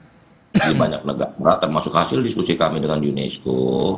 jadi banyak negara termasuk hasil diskusi kami dengan unesco